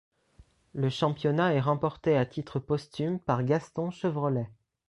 Le championnat est remporté à titre posthume par Gaston Chevrolet.